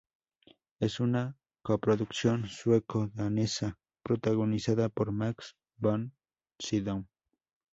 Es una coproducción sueco-danesa protagonizada por Max von Sydow.